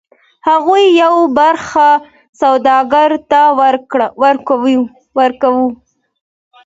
هغوی یوه برخه سوداګر ته ورکوي